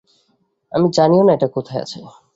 আমি জানিও না এটা কোথায় আছে।